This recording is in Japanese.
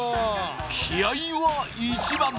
気合いは一番！